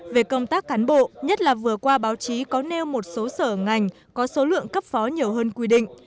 về công tác cán bộ nhất là vừa qua báo chí có nêu một số sở ngành có số lượng cấp phó nhiều hơn quy định